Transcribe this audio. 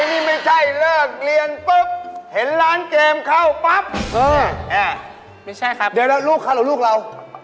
ครับท่าครับเดี๋ยวหน่อยลูกอะไรลูกเรา